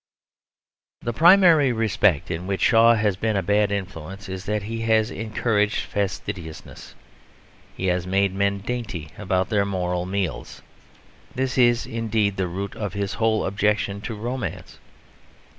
The primary respect in which Shaw has been a bad influence is that he has encouraged fastidiousness. He has made men dainty about their moral meals. This is indeed the root of his whole objection to romance.